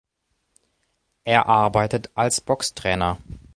Er arbeitet als Boxtrainer.